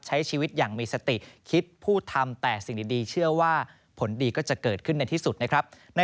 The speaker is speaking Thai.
ใช้ชีวิตอย่างมีสติคิดพูดทำแต่สิ่งดีเชื่อว่าผลดีก็จะเกิดขึ้นในที่สุดนะครับ